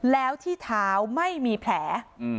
แล้วที่เท้าไม่มีแผล